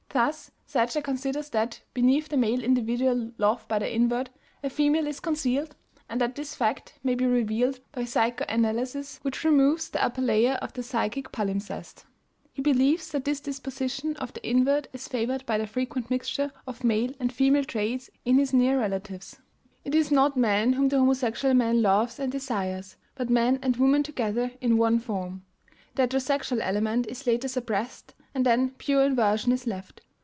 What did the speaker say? Thus Sadger considers that, beneath the male individual loved by the invert, a female is concealed, and that this fact may be revealed by psychoanalysis which removes the upper layer of the psychic palimpsest; he believes that this disposition of the invert is favored by a frequent mixture of male and female traits in his near relatives; originally, "it is not man whom the homosexual man loves and desires but man and woman together in one form"; the heterosexual element is later suppressed, and then pure inversion is left.